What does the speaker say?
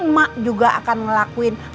mak juga akan ngelakuin